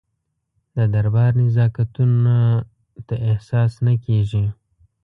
د دربار نزاکتونه ته احساس نه کېږي.